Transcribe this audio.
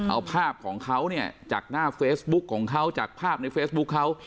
เอาภาพของเขาเนี่ยจากหน้าเฟซบุ๊คของเขาจากภาพในเฟซบุ๊คเขา